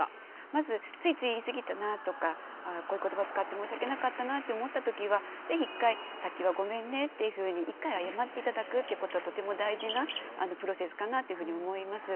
まずついつい言い過ぎたなとかこういう言葉使って申し訳なかったなって思ったときは是非一回さっきはごめんねっていうふうに一回謝って頂くってことはとても大事なプロセスかなってふうに思います。